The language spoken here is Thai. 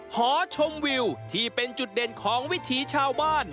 หอชมวิวที่เป็นจุดเด่นของวิถีชาวบ้าน